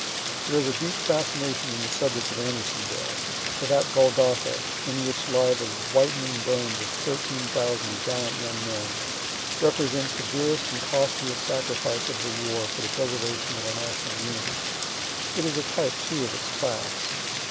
"There is a deep fascination in the subject of Andersonville for that Golgotha, in which lie the whitening bones of 13,000 gallant young men, represents the dearest and costliest sacrifice of the war for the preservation of our national unity. It is a type, too, of its class.